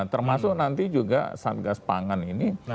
termasuk nanti juga satgas pangan ini